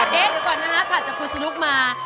เกะก่อนจากคุณสะนุกมา